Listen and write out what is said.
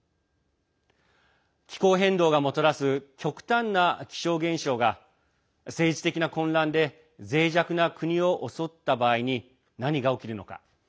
気候変動がもたらす極端な気象現象が政治的な混乱でぜい弱な国を襲った場合に何が起きるのか。